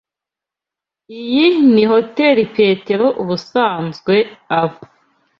Iyi ni hoteri Petero ubusanzwe aba.